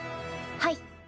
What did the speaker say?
はい。